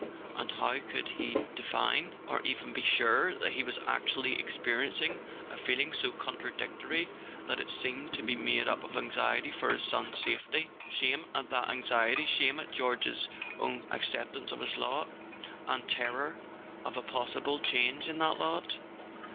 And how could he define, or even be sure that he was actually experiencing, a feeling so contradictory that it seemed to be made up of anxiety for his son's safety, shame at that anxiety, shame at George's own complacent acceptance of his lot, and terror of a possible change in that lot?